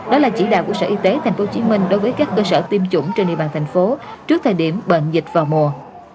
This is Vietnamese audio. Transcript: đó là chỉ đạo của sở y tế tp hcm đối với các cơ sở tiêm chủng trên địa bàn thành phố trước thời điểm bệnh dịch vào mùa